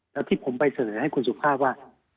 แล้วที่ผมไปเสนอให้คุณสุภาพว่า